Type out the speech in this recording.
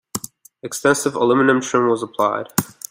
Extensive aluminum trim was applied.